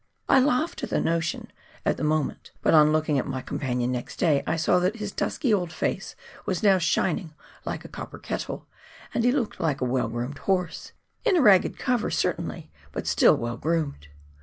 I laughed at the notion, at the moment, but on looking at my companion next day, I saw th it his dusky old face was now shining like a copper kettle, and he looked like a well groomed horse — in a ragged cover, certainly, but still well groomed.